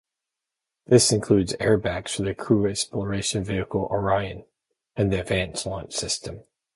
This includes airbags for the Crew Exploration Vehicle Orion, and the Advanced Launch System.